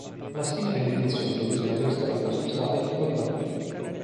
La stima delle dimensioni dell'isola preistorica sono state a lungo dibattute.